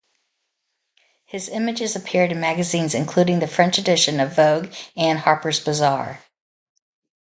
His images appeared in magazines including the French edition of "Vogue" and "Harper's Bazaar".